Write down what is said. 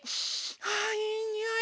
あいいにおい！